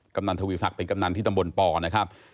กำนันทวีศักดิ์เป็นกำนันที่ตำบลปนะครับ